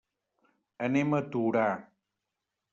Anem a Torà.